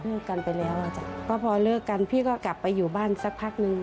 เลือกกันไปแล้วจ้ะก็พอเลือกกันพี่ก็กลับไปอยู่บ้านสักพักนึง